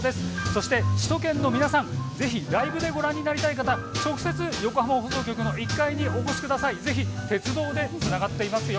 そして首都圏の皆さん、ぜひライブでご覧になりたい方、直接横浜放送局の１階にお越しください。